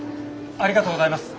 ありがとうございます。